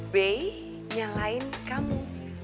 b nyalahin kamu